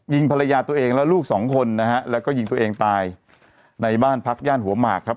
ภรรยาตัวเองและลูกสองคนนะฮะแล้วก็ยิงตัวเองตายในบ้านพักย่านหัวหมากครับ